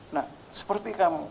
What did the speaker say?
nah seperti kamu